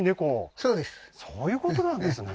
そうですそういうことなんですね